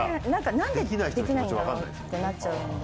なんでできないんだろう？ってなっちゃうんで。